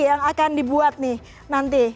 yang akan dibuat nih nanti